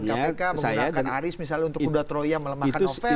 menggunakan aris misalnya untuk kuda troya melemahkan ovel misalnya